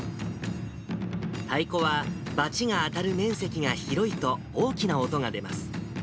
太鼓はバチが当たる面積が広いと、大きな音が出ます。